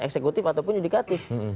eksekutif ataupun yudikatif